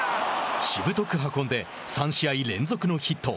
しぶとく運んで３試合連続のヒット。